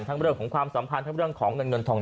เรื่องของความสัมพันธ์ทั้งเรื่องของเงินเงินทอง